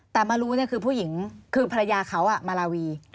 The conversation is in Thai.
แต่มารู้คือผู้หญิงคือภรรยาเขามาลาวี